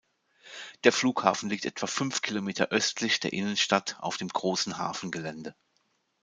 Der Flughafen liegt etwa fünf Kilometer östlich der Innenstadt auf dem großen Hafengelände.